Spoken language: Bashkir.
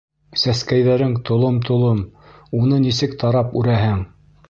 Сәскәйҙәрең толом-толом, уны нисек тарап-үрәһең?